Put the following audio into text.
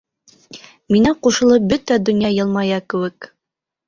Миңә ҡушылып бөтә донъя йылмая кеүек.